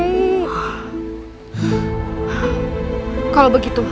aku ingin mencari orang orang itu nyai